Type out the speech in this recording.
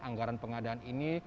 anggaran pengadaan ini